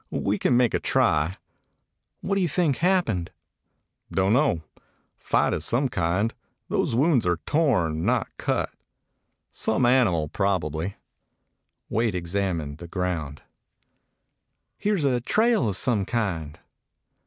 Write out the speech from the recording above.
We can make a try." "What do you think happened?" "Don't know. Fight of some kind. Those wounds are torn, not cut. Some animal, probably." Wade examined the ground. "Here 's a trail of some kind."